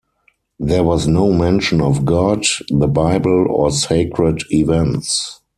There was no mention of God, the Bible, or sacred events.